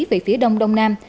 về phía đông đông nam